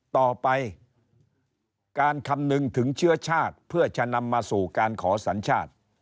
ต่อไปการคำนึงถึงเชื้อชาติเพื่อจะนำมาสู่การขอสัญชาติ